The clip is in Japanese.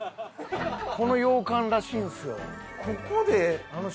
この洋館らしいんですよ。